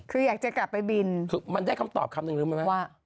คืออยากจะกลับไปบินคือมันได้คำตอบคำหนึ่งรู้ไหมว่า